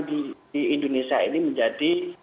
di indonesia ini menjadi